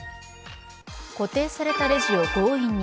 固定されたレジを強引に。